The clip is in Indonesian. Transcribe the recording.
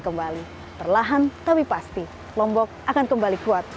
kembali perlahan tapi pasti lombok akan kembali kuat